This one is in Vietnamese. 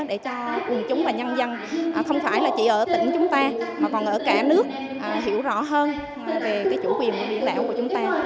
để cho quần chúng và nhân dân không phải là chỉ ở tỉnh chúng ta mà còn ở cả nước hiểu rõ hơn về cái chủ quyền biển đảo của chúng ta